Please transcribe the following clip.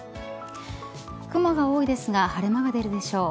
雲が多いですが晴れ間が出るでしょう。